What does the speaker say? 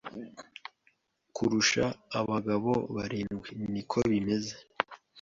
kurusha abagabo barindwi Ni ko bimeze